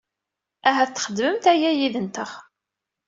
Ahat txedmemt aya yid-nteɣ.